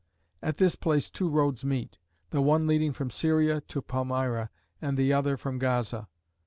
At this place two roads meet, the one leading from Syria to Palmyra, and the other from Gaza.